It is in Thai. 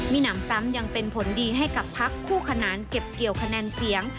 มีหนำซ้ำยังเป็นผลดีให้กับพักคู่ขนานเก็บเกี่ยวคะแนนเสียง